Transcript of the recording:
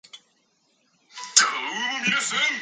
He began acting in an after school program at his middle school.